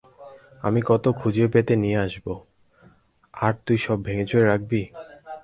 আমি কত খুঁজেপেতে নিয়ে আসবো, আর তুই সব ভেঙেচুবে রাখবি।